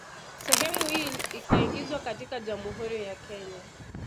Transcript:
Sehemu hii ikaingizwa katika Jamhuri ya Kenya